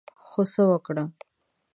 خو څه وکړم ؟